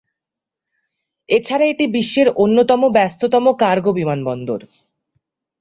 এছাড়া এটি বিশ্বের অন্যতম ব্যস্ততম কার্গো বিমানবন্দর।